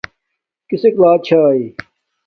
کسک لا چھاݵ